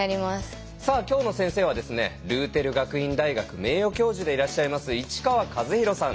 さあ今日の先生はルーテル学院大学名誉教授でいらっしゃいます市川一宏さん。